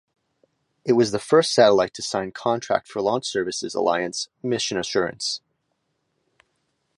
It was the first satellite to sign contract for Launch Services Alliance mission assurance.